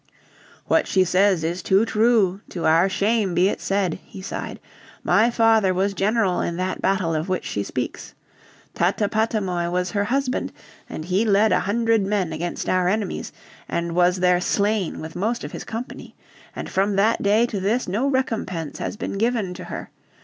"What she says is too true, to our shame be it said," he sighed. "My father was general in that battle of which she speaks. Tatapatamoi was her husband, and he led a hundred men against our enemies, and was there slain with most of his company. And from that day to this no recompense has been given to her.